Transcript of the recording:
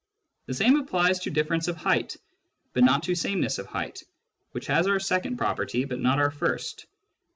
The same applies to difference of height, but not to sameness of height, which has our second property but not our first.